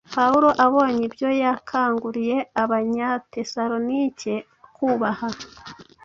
Pawulo abonye ibyo, yakanguriye Abanyatesalonike kubaha